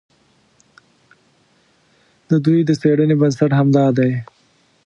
د دوی د څېړنې بنسټ همدا دی.